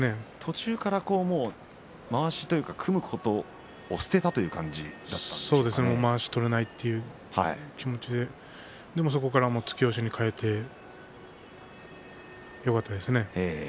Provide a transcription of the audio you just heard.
途中からまわしを取ることを捨てたまわしを取らないという気持ちでそこから突き押しに変えてよかったですね。